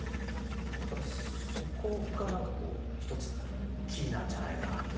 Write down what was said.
だからそこがなんかこうひとつキーなんじゃないかなと。